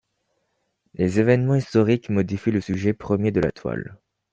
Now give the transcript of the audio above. Les événements historiques modifient le sujet premier de la toile.